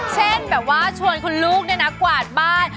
เช่นแบบว่าชวนคุณลูกเนี่ยนะกวาดบ้าน